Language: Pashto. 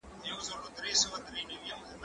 ايا ته سبزیجات وچوې!.